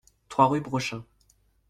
trois rue Brochain